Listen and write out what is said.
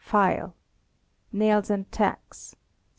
File. *Nails and tacks.